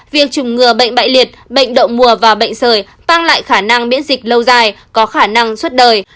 việc trùng ngừa bệnh bại liệt bệnh động mùa và bệnh sời tăng lại khả năng miễn dịch lâu dài có khả năng suất đời